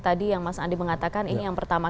tadi yang mas andi mengatakan ini yang pertama